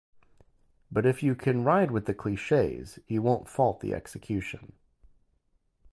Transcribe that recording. But if you can ride with the cliches, you won't fault the execution.